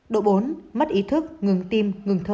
độ bốn mất ý thức ngừng tim ngừng thở